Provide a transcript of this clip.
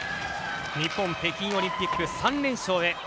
日本、北京オリンピック３連勝へ。